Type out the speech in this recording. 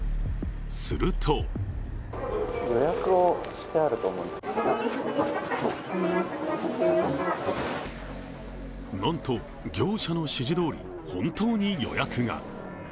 するとなんと、業者の指示どおり本当に予約が。